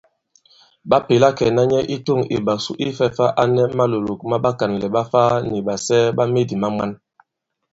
Ɓa pèla kɛ̀na nyɛ i tûŋ ìɓàsu ifɛ̄ fā a nɛ malòlòk ma ɓakànlɛ̀ ɓa Ifaa nì ɓàsɛɛ ɓa medì ma mwan.